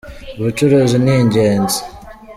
Ubucuruzi ni ingenzi.